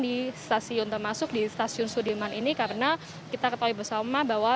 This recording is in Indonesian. di stasiun termasuk di stasiun sudirman ini karena kita ketahui bersama bahwa